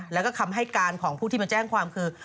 แล้วก็คำให้การของผู้ที่มาแจ้งความคือ